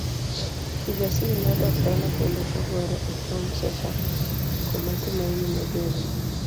Kijasiri nodok dala kendo ogore e kom sofa kuma Tumaini nobete.